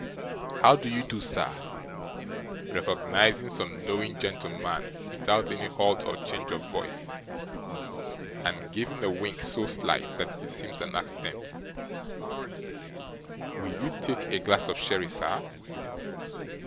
how do you do, sir?' (recognising some knowing gentleman without any halt or change of voice, and giving a wink so slight that it seems an accident), 'will you take a glass of sherry, sir?